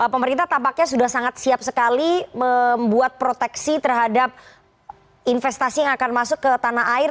pemerintah tampaknya sudah sangat siap sekali membuat proteksi terhadap investasi yang akan masuk ke tanah air